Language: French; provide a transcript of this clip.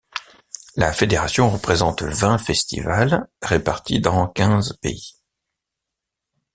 La fédération représente vingt festivals, répartis dans quinze pays.